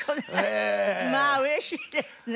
まあ嬉しいですね！